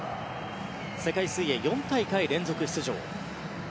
世界水泳４大会連続出場。